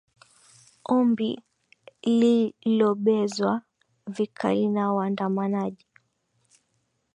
ombi lilobezwa vikali na waandamanaji